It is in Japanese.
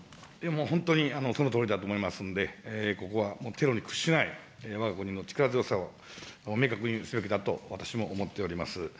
本当にそのとおりだと思いますんで、ここはテロに屈しないわが国の力強さを明確にすべきだと、私も思っております。